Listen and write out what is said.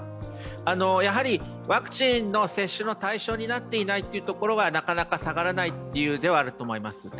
やはりワクチン接種の対象になっていないところはなかなか下がらないということではあると思います。